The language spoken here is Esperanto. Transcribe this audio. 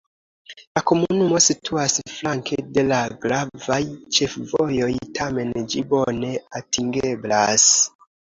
La komunumo situas flanke de la gravaj ĉefvojoj, tamen ĝi bone atingeblas.